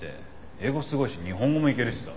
英語すごいし日本語もいけるしさ。